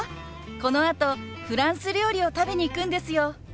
このあとフランス料理を食べに行くんですよ。